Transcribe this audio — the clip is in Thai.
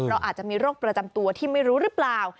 เราอาจจะมีโรคประจำตัวที่ไม่รู้หรือเปล่า